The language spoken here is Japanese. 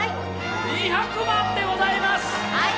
２００万でございます！